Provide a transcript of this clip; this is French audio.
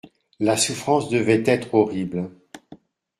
La souffrance devait être horrible.